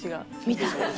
「見た？」